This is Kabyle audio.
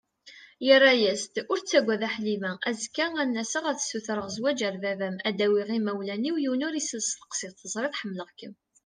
Yerra-as-d: Ur ttaggad a Ḥlima, azekka ad n-aseɣ ad sutreɣ zwaǧ ar baba-m, ad d-awiɣ imawlan-iw, yiwen ur isel tseqsiḍt, teẓriḍ ḥemmleɣ-kem.